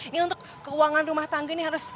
ini untuk keuangan rumah tangga ini harus